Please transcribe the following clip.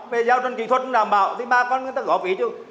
về giao chân kỹ thuật không đảm bảo thì ba con người ta góp ý chứ